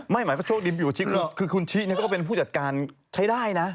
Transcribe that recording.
ไม่มันหมายถึงชิจะเป็นผู้จัดการใช้ได้นะ